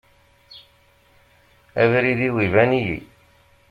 Abrid-iw iban-iyi.